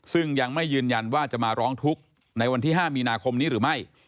ซึ่งยังไม่ยืนยันว่าจะมาร้องทุกข์ในวันที่๕มีนาคมนี้หรือไม่